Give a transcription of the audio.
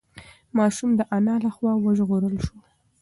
ماشوم د انا له خوا وژغورل شو.